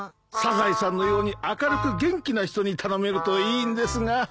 サザエさんのように明るく元気な人に頼めるといいんですが。